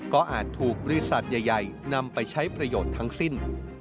ก็อาจถูกบริษัทใหญ่นำไปใช้ประโยชน์ทั้งสิ้น